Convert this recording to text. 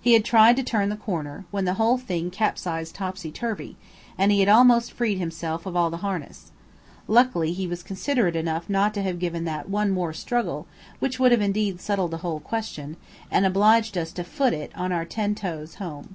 He had tried to turn the corner, when the whole thing capsized topsy turvy, and he had almost freed himself of all the harness; luckily he was considerate enough not to have given that "one more struggle" which would have indeed settled the whole question, and obliged us to foot it on our ten toes home.